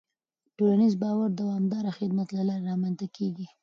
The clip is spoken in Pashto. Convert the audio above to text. ټولنیز باور د دوامداره خدمت له لارې رامنځته کېږي.